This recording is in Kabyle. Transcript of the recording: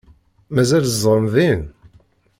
Mazal tzedɣem din?